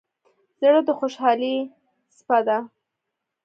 زړه د خوشحالۍ څپه ده.